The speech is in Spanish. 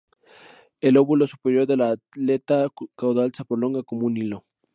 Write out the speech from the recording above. El lóbulo superior de la aleta caudal se prolonga como un hilo.